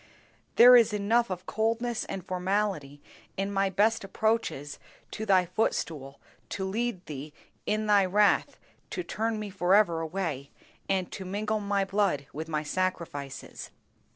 There is enough of coldness and formality in my best approaches to Thy footstool to lead Thee in Thy wrath to spurn me forever away, and to mingle my blood with my sacrifices!